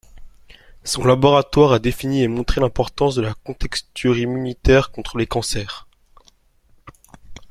Son laboratoire a défini et montré l'importance de la contexture immunitaire contre les cancers.